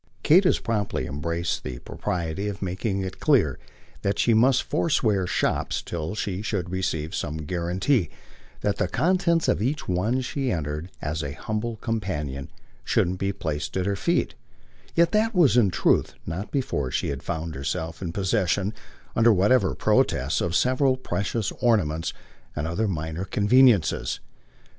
Kate as promptly embraced the propriety of making it clear that she must forswear shops till she should receive some guarantee that the contents of each one she entered as a humble companion shouldn't be placed at her feet; yet that was in truth not before she had found herself in possession, under whatever protests, of several precious ornaments and other minor conveniences.